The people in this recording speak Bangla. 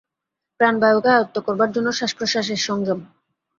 প্রাণবায়ুকে আয়ত্ত করবার জন্য শ্বাসপ্রশ্বাসের সংযম।